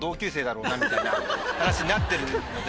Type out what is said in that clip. みたいな話になってるので。